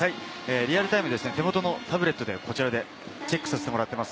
リアルタイムで手元のタブレットでチェックさせてもらっています。